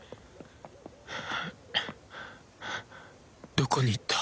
どこに行った？